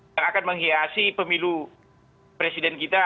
dan akan menghiasi pemilu presiden kita